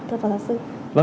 thưa phó giáo sư